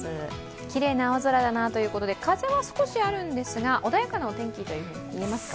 きれいな青空だなということで風は少しあるんですが、穏やかなお天気と言えますか？